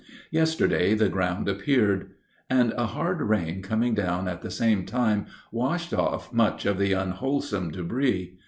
Yesterday the ground appeared, and a hard rain coming down at the same time washed off much of the unwholesome debris.